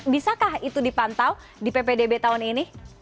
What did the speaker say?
bisakah itu dipantau di ppdb tahun ini